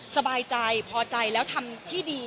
สบายใจพอใจแล้วทำที่ดี